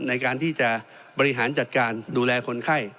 ในการที่จะบริหารจัดการดูแลคนไข้